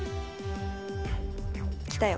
来たよ。